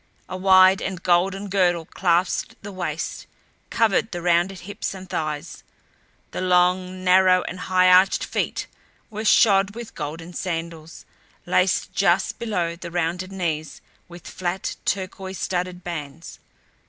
A wide and golden girdle clasped the waist, covered the rounded hips and thighs. The long, narrow, and high arched feet were shod with golden sandals, laced just below the rounded knees with flat turquoise studded bands.